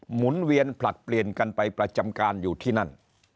หมุนเวียนผลัดเปลี่ยนกันไปประจำการอยู่ที่นั่น